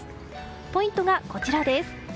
ポイントはこちらです。